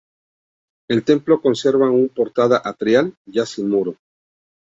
El templo conserva aún portada atrial, ya sin muro.